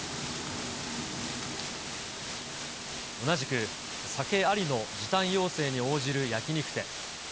同じく、酒ありの時短要請に応じる焼き肉店。